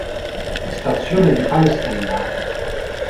Stazione di Palestrina